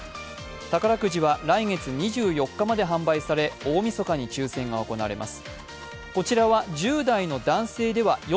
宝くじは来月２４日まで販売され大みそかに抽選が行われます。